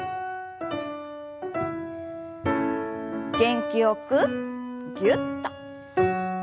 元気よくぎゅっと。